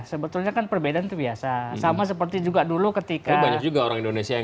sebetulnya kan perbedaan itu biasa sama seperti juga dulu ketika banyak juga orang indonesia yang